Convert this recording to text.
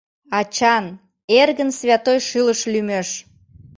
Ачан, эргын святой шӱлыш лӱмеш...